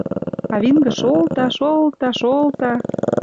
А вингӹ шолта, шолта, шолта